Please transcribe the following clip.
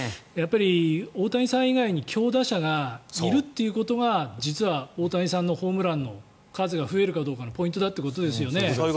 大谷さん以外に強打者がいるということが実は大谷さんのホームランの数が増えるかどうかのポイントだということですよね。